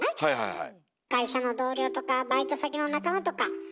はい。